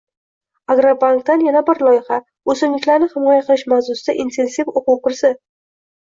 “Agrobank”dan yana bir loyiha — “O‘simliklarni himoya qilish” mavzusida intensiv o‘quv kursi